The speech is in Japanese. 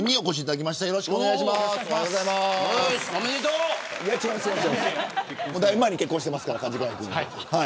だいぶ前に結婚してますから。